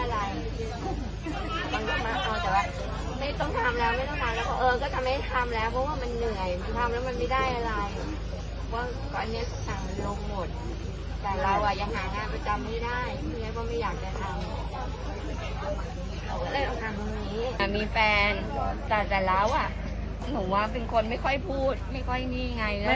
ลงมาลงมาลงมา